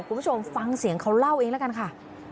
คุณผู้ชมฟังเสียงเขาเล่าเองแล้วกันค่ะ